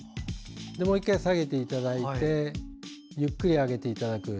もう１回、下げていただきゆっくり上げていただく。